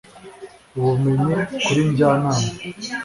Ubumenyi kuri Njyanama